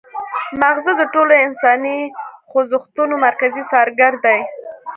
مغزه د ټولو انساني خوځښتونو مرکزي څارګر دي